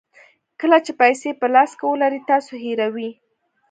کله چې پیسې په لاس کې ولرئ تاسو هیروئ.